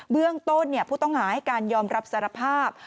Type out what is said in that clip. เบื้องต้นผู้ต้องหาให้การยอมรับสารภาพ